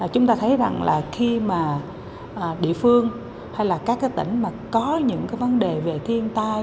chúng ta thấy khi mà địa phương hay các tỉnh có những vấn đề về thiên tai